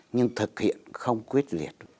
nhưng thực hiện không quyết liệt